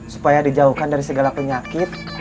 supaya dijauhkan dari segala penyakit